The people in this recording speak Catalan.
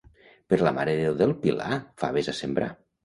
Per la Mare de Déu del Pilar, faves a sembrar.